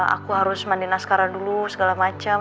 aku harus mandi naskara dulu segala macem